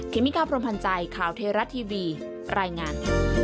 เมกาพรมพันธ์ใจข่าวเทราะทีวีรายงาน